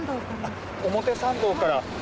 表参道から。